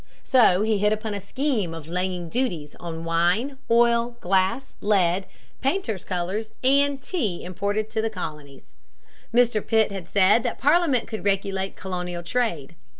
So he hit upon a scheme of laying duties on wine, oil, glass, lead, painter's colors, and tea imported into the colonies. Mr. Pitt had said that Parliament could regulate colonial trade.